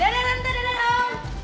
dadah nanti dadah om